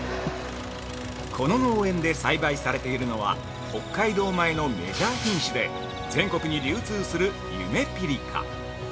◆この農園で栽培されているのは北海道米のメジャー品種で全国に流通する「ゆめぴりか」